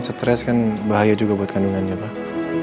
stres kan bahaya juga buat kandungannya pak